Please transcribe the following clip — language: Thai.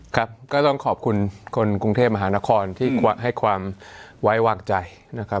ครับก็ต้องขอบคุณคนกรุงเทพมหานครที่ให้ความไว้วางใจนะครับ